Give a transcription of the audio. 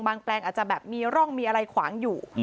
แปลงอาจจะแบบมีร่องมีอะไรขวางอยู่